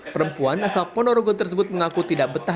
perempuan asal ponorogo tersebut mengaku tidak betah